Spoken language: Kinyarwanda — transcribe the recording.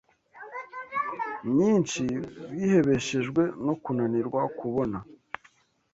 nyinshi, bihebeshejwe no kunanirwa kubona